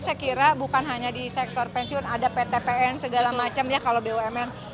saya kira bukan hanya di sektor pensiun ada ptpn segala macam ya kalau bumn